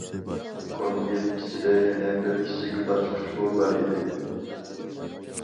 كونۋېرت ئىچىدە يەنە بىر كىچىك ئاچقۇچمۇ بار ئىدى.